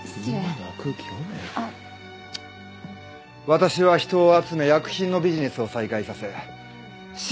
私は人を集め薬品のビジネスを再開させ新・